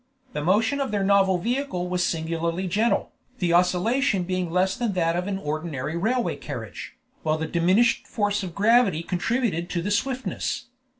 The motion of their novel vehicle was singularly gentle, the oscillation being less than that of an ordinary railway carriage, while the diminished force of gravity contributed to the swiftness.